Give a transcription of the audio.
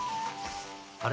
あれ？